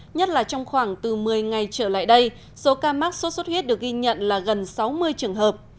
nhất là trong khoảng từ một mươi ngày trở lại đây số ca mắc sốt xuất huyết được ghi nhận là gần sáu mươi trường hợp